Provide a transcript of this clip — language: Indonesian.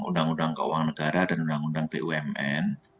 undang undang keuangan negara dan undang undang bumn